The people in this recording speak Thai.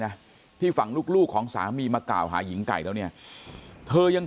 นะที่ฝั่งลูกของสามีมากล่าวหาหญิงไก่แล้วเนี่ยเธอยัง